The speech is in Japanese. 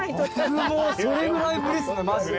僕もそれぐらいぶりっすねマジで。